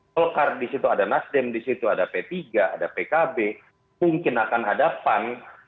golkar di situ ada nasdem di situ ada p tiga ada pkb mungkin akan ada pan